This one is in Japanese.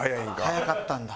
早かったんだ。